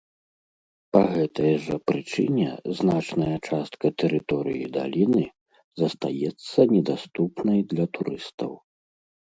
Па гэтай жа прычыне значная частка тэрыторыі даліны застаецца недаступнай для турыстаў.